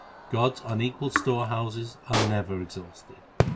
God s unequalled storehouses are never exhausted.